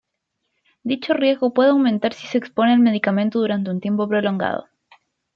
Dicho riesgo puede aumentar si se expone al medicamento durante un tiempo prolongado.